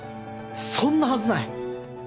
そんなはずない。